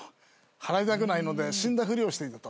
払いたくないので死んだふりをしていたと。